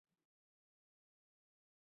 钱不是问题